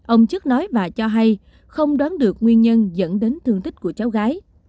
ông chức nói và cho hay không đoán được nguyên nhân dẫn đến thương tích của cháu gái